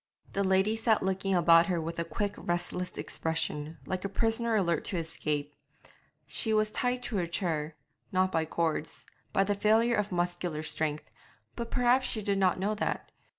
The lady sat looking about her with a quick restless expression, like a prisoner alert to escape; she was tied to her chair not by cords by the failure of muscular strength; but perhaps she did not know that.